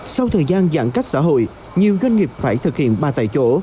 sau thời gian giãn cách xã hội nhiều doanh nghiệp phải thực hiện ba tại chỗ